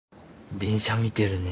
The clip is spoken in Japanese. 電車見てるね。